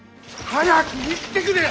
早く言ってくれ！